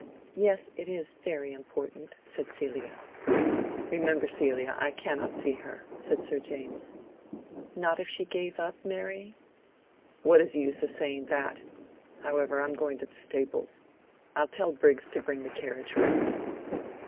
"Yes, it is very important," said Celia. "Remember, Celia, I cannot see her," said Sir James. "Not if she gave up marrying?" "What is the use of saying that?—however, I'm going to the stables. I'll tell Briggs to bring the carriage round."